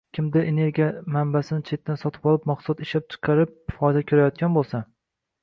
– kimdir energiya manbasini chetdan sotib olib, mahsulot ishlab chiqarib foyda ko‘rayotgan bo‘lsa